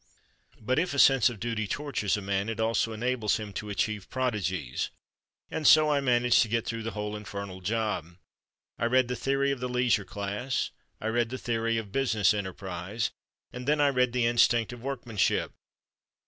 But if a sense of duty tortures a man, it also enables him to achieve prodigies, and so I managed to get through the whole infernal job. I read "The Theory of the Leisure Class," I read "The Theory of Business Enterprise," and then I read "The Instinct of Workmanship."